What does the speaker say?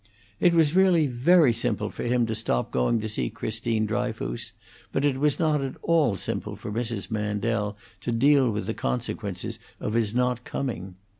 It was really very simple for him to stop going to see Christine Dryfoos, but it was not at all simple for Mrs. Mandel to deal with the consequences of his not coming.